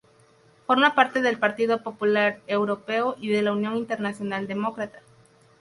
Forma parte del Partido Popular Europeo y de la Unión Internacional Demócrata.